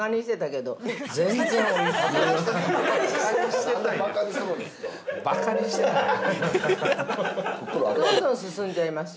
どんどん進んじゃいますよ。